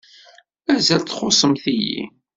Mazal txuṣṣemt-iyi.